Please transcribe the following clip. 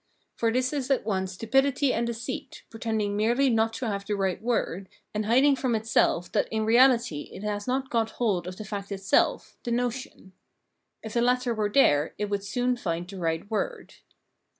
For this is at once stupidity and deceit, pretending merely not to have the right "word," and hiding from itself that in reahty it has not got hold of the fact itself, the notion. If the latter were there, it would soon find the right word.